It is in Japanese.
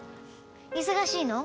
忙しいの？